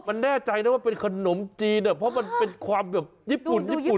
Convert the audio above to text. มันแน่ใจนะว่าเป็นขนมจีนเพราะมันเป็นความแบบญี่ปุ่นญี่ปุ่น